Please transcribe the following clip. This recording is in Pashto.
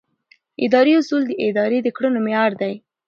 اداري اصول د ادارې د کړنو معیار دي.